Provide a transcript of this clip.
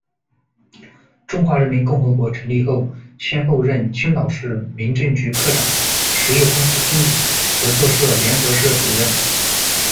中华人民共和国成立后，先后任青岛市民政局科长，实业公司经理，合作社联合社主任。